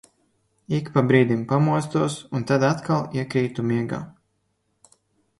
Ik pa brīdim pamostos un tad atkal iekrītu miegā.